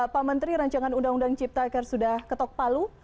pak menteri rancangan undang undang ciptaker sudah ketok palu